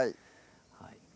はい